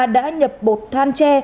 đã nhập bột than tre